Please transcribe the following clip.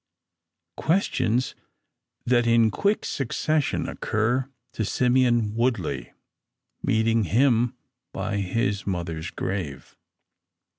Questions that in quick succession occur to Simeon Woodley meeting him by his mother's grave.